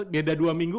beda dua minggu